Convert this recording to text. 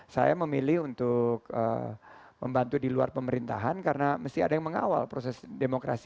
saya memilih untuk membantu di luar pemerintahan karena mesti ada yang mengawal proses demokrasi